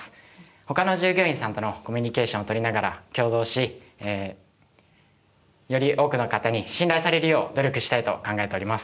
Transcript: ほかの従業員さんとのコミュニケーションをとりながら協働しえより多くの方に信頼されるよう努力したいと考えております。